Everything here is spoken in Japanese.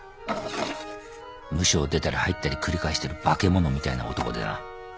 ムショを出たり入ったり繰り返してる化け物みたいな男でな。